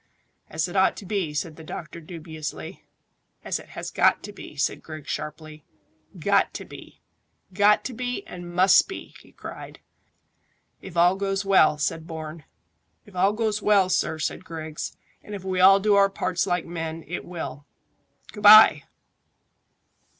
"As it ought to be," said the doctor dubiously. "As it has got to be," said Griggs sharply. "Got to be got to be, and must be!" he cried. "If all goes well," said Bourne. "If all goes well, sir," said Griggs, "and if we all do our parts like men, it will. Good bye!"